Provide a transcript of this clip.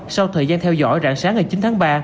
sau thời gian theo dõi rạng sáng ngày chín tháng ba